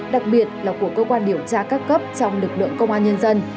đặc biệt là của cơ quan điều tra các cấp trong lực lượng công an nhân dân